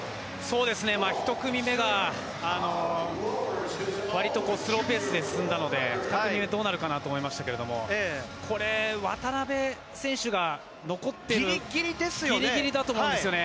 １組目が割とスローペースで進んだので２組目どうなるのかなと思いましたけどこれ、渡辺選手がギリギリだと思うんですよね。